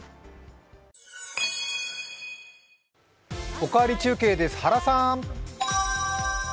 「おかわり中継」です原さん。